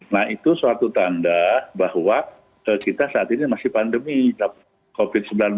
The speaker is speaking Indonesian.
nah itu suatu tanda bahwa kita saat ini masih pandemi covid sembilan belas